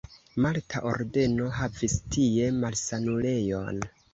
Malta Ordeno havis tie malsanulejon.